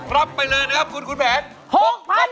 รับไปเลยนะครับคุณคุณแผน